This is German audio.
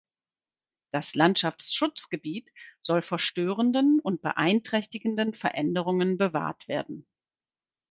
Das Landschaftsschutzgebiet soll vor störenden und beeinträchtigenden Veränderungen bewahrt werden.